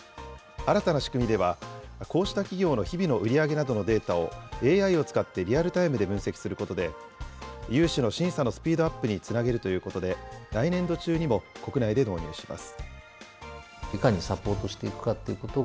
新たな仕組みでは、こうした企業の日々の売り上げなどのデータをＡＩを使ってリアルタイムで分析することで、融資の審査のスピードアップにつなげるということで、来年度中にも国内で導入します。